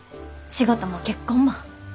仕事も結婚も。